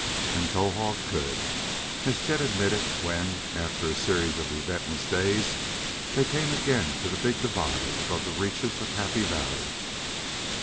And Towahg could, as Chet admitted when, after a series of eventless days, they came again to the big divide above the reaches of Happy Valley.